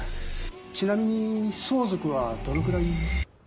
ちなみに相続はどのくらい？